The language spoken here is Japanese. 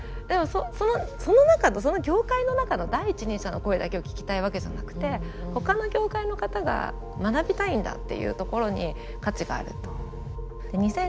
でもその中のその業界の中の第一人者の声だけを聞きたいわけじゃなくてほかの業界の方が学びたいんだっていうところに価値があると。